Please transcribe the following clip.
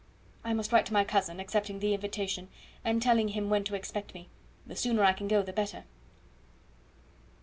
"I must write to my cousin, accepting the invitation, and telling him when to expect me. The sooner I can go the better."